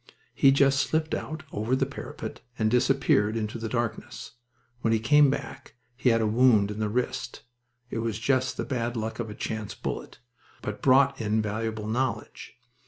He just slipped out over the parapet and disappeared into the darkness. When he came back he had a wound in the wrist it was just the bad luck of a chance bullet but brought in valuable knowledge.